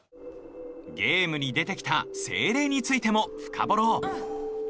ゲームに出てきた精霊についてもフカボろう！